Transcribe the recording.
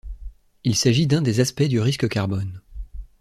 Il s'agit d'un des aspects du risque carbone.